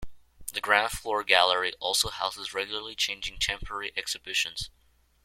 The Ground floor gallery also houses regularly changing temporary exhibitions.